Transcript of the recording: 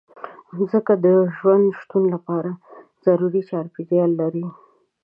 مځکه د ژوند د شتون لپاره ضروري چاپېریال لري.